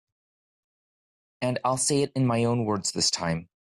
And I'll say it in my own words this time.